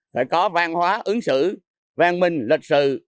phải có văn hóa ứng xử vang minh lịch sự